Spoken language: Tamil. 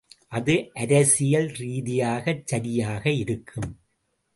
அது அரசியல் ரீதியாக சரியாக இருக்கும்.